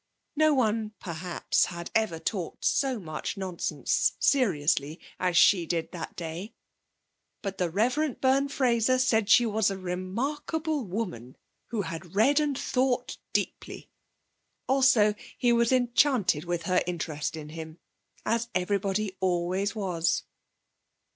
No one, perhaps, had ever talked so much nonsense seriously as she did that day, but the Rev. Byrne Fraser said she was a remarkable woman, who had read and thought deeply. Also he was enchanted with her interest in him, as everybody always was.